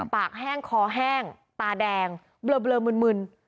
แห้งคอแห้งตาแดงเบลอมึน